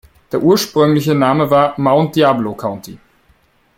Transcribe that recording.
Der ursprüngliche Name war „Mount Diablo County“.